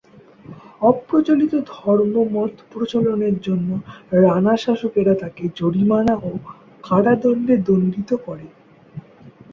অপ্রচলিত ধর্ম মত প্রচলনের জন্য রাণা শাসকেরা তাকে জরিমানা ও কারাদণ্ডে দণ্ডিত করে।